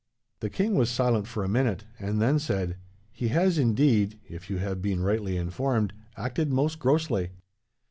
"The king was silent for a minute, and then said: "'He has, indeed, if you have been rightly informed, acted most grossly.